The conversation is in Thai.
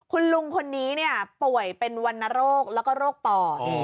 คุณลุงคนนี้ป่วยเป็นวรรณโรคแล้วก็โรคปอด